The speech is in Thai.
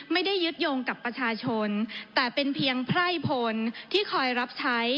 ไม่ได้ยึดโยงกับประชาชนแต่เป็นเพียงไพร่พลที่คอยรับใช้